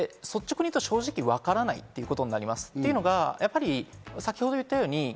率直に言うと、正直わからないということになります。